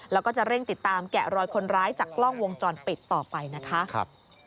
แล้วก็จะเร่งติดตามแกะรอยคนร้ายจากกล้องวงจรปิดต่อไปนะคะ